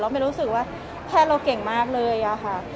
ไม่รู้สึกว่าแพทย์เราเก่งมากเลยอะค่ะ